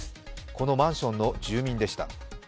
このマンションの住民でした。